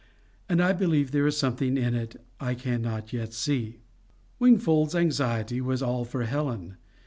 And I believe there is something in it I cannot yet see." Wingfold's anxiety was all for Helen.